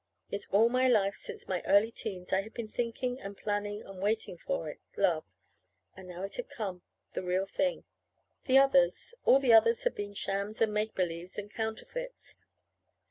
Yet all my life since my early teens I had been thinking and planning and waiting for it love. And now it had come the real thing. The others all the others had been shams and make believes and counterfeits.